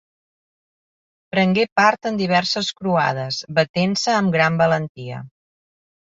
Prengué part en diverses Croades, batent-se amb gran valentia.